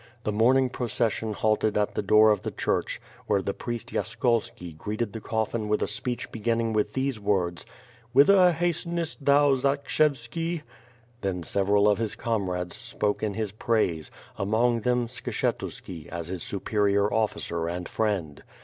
The mourning procession halted at the door of the church, where the priest Yaskolski greeted the coffin with a speech begin ning with these words: "Whither hastenest thou, Zakshev ski?" Then several of his comrades spoke in his praise, among them, Skshetuski, as his superior officer and friend.